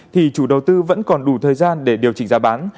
thì chủ đầu tư vẫn còn đủ thời gian để điều chỉnh giá bán